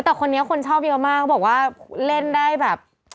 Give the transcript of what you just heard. แต่คนนี้คนชอบเยอะมากเขาบอกว่าเล่นได้แบบ